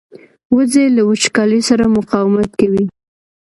وزې له وچکالۍ سره مقاومت کوي